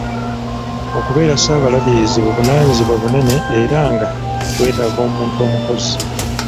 Okubeera Ssaabalabirizi buvunaanyizibwa bunene era nga bwetaaga omuntu omukozi.